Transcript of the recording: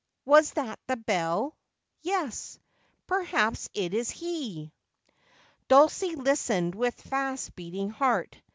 was that the bell '? Yes. Perhaps it is he.' Dulcie listened with fast beating heart.